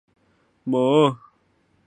猛隼为隼科隼属的鸟类。